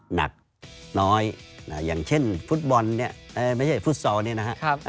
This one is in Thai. หนักน้อยอย่างเช่นฟุตบอลไม่ใช่ฟุตซอลนะครับ